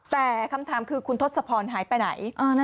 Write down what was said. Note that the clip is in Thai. แต่คำถามคือคุณทศพรหายไปไหน